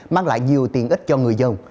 mang lại nhiều tiện ích cho người dân